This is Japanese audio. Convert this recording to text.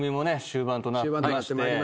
終盤となりまして。